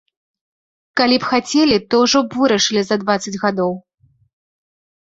Калі б хацелі, то ўжо б вырашылі за дваццаць гадоў.